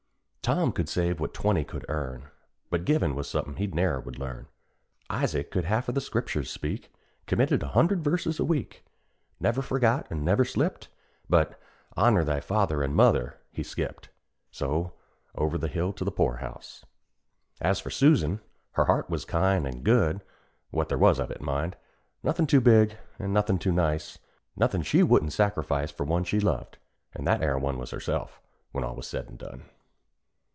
Tom could save what twenty could earn; But givin' was somethin' he ne'er would learn; Isaac could half o' the Scriptur's speak Committed a hundred verses a week; Never forgot, an' never slipped; But "Honor thy father and mother" he skipped; So over the hill to the poor house. As for Susan, her heart was kind An' good what there was of it, mind; Nothin' too big, an' nothin' too nice, Nothin' she wouldn't sacrifice For one she loved; an' that 'ere one Was herself, when all was said an' done.